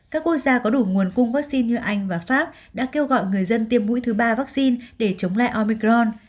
các quốc gia có đủ nguồn cung vaccine như anh và pháp đã kêu gọi người dân tiêm mũi thứ ba vaccine để chống lại omicron